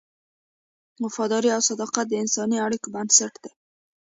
وفاداري او صداقت د انساني اړیکو بنسټ دی.